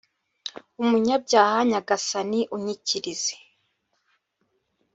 umunyabyaha nyagasani unyikirize